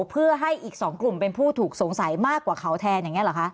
เพื่อให้อีก๒กลุ่มเป็นผู้ถูกสงสัยมากกว่าเขาแทนอย่างนี้เหรอคะ